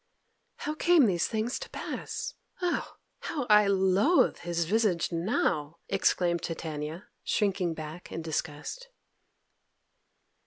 "How came these things to pass? Oh, how I loathe his visage now!" exclaimed Titania, shrinking back in disgust.